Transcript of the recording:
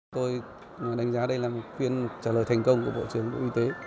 tôi đánh giá đây là một phiên trả lời thành công của bộ trưởng bộ y tế